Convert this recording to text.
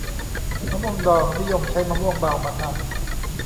มะม่วงดอง นิยมใช้มะม่วงเบามาทำ